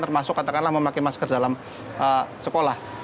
termasuk katakanlah memakai masker dalam sekolah